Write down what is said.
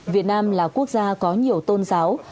việt nam là quốc gia có nhiều tôn giáo